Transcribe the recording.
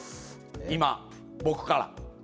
今、僕から。